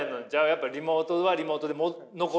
やっぱリモートはリモートで残るし。